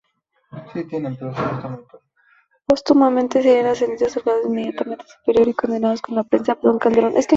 Póstumamente, serían ascendidos al grado inmediatamente superior y condecorados con la presea "Abdón Calderón".